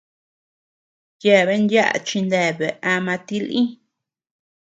Yeabean yaʼa chineabea ama tilï.